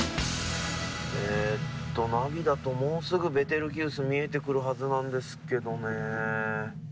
えっとナビだともうすぐベテルギウス見えてくるはずなんですけどねえ。